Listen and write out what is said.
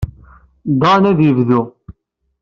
Dan ad yebdu.